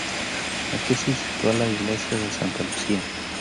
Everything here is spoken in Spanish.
Aquí se sitúa la Iglesia de Santa Lucía